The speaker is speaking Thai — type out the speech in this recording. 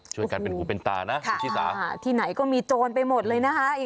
ช่วยกันเป็นหูเป็นตานะคุณชิสาที่ไหนก็มีโจรไปหมดเลยนะคะ